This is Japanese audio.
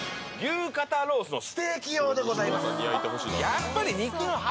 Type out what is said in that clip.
やっぱり。